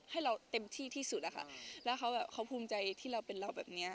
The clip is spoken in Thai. ให้เราเต็มที่ที่สุดอะค่ะแล้วเขาแบบเขาภูมิใจที่เราเป็นเราแบบเนี้ย